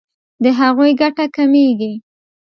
د هغوی ګټه کمیږي.